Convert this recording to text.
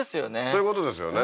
そういうことですよね